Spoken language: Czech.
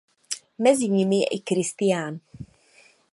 Mezi nimi je i Kristián.